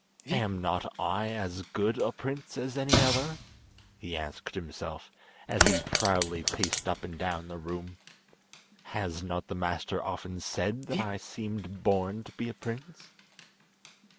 "Am not I as good a prince as any other?" he asked himself, as he proudly paced up and down the room. "Has not the master often said that I seemed born to be a prince?"